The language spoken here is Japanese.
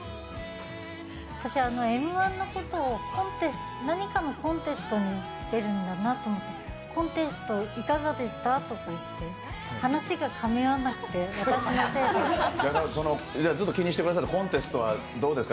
私、「Ｍ−１」のことを何かのコンテストに出るんだなと思っててコンテストいかがでした？とか言って話がかみ合わなくて、ずっと気にしてくださってコンテストはどうですか？